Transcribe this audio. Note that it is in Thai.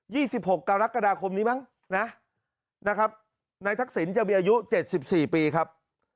ี่สิบหกกรกฎาคมนี้มั้งนะนะครับนายทักษิณจะมีอายุเจ็ดสิบสี่ปีครับ